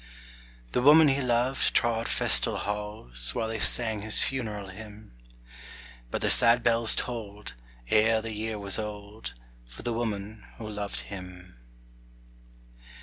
The woman he loved trod festal halls, While they sang his funeral hymn, But the sad bells tolled, ere the year was old, For the woman who loved him.